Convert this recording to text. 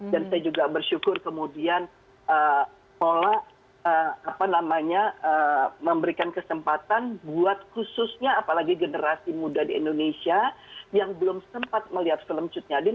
dan saya juga bersyukur kemudian mula apa namanya memberikan kesempatan buat khususnya apalagi generasi muda di indonesia yang belum sempat melihat film cutnya din